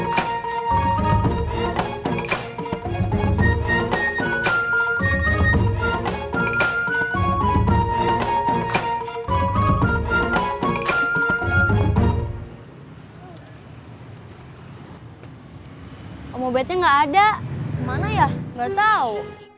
kamu bete enggak ada mana ya enggak tahu